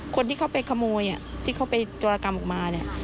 คนที่เขาไปขโมยที่เขาไปโจรกรรมออกมาเนี่ย